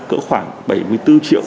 cỡ khoảng bảy mươi bốn triệu